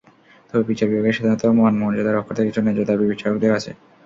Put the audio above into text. তবে বিচার বিভাগের স্বাধীনতা, মানমর্যাদা রক্ষার্থে কিছু ন্যায্য দাবি বিচারকদের আছে।